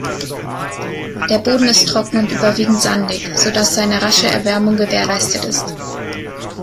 Der Boden ist trocken und überwiegend sandig, so dass seine rasche Erwärmung gewährleistet ist.